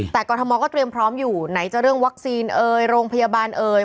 แต่กรทมก็เตรียมพร้อมอยู่ไหนจะเรื่องวัคซีนเอ่ยโรงพยาบาลเอ่ย